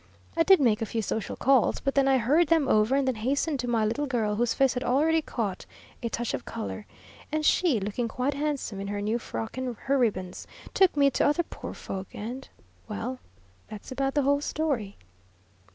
I did make a few social calls, but then I hurried them over; and then hastened to my little girl, whose face had already caught a touch of colour; and she, looking quite handsome in her new frock and her ribbons, took me to other poor folk, and, well, that's about the whole story.